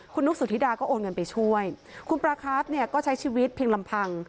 คุณนุกสุธิดาก็โอนเงินไปช่วยคุณปลาครับเนี่ยก็ใช้ชีวิตเพียงลำพัง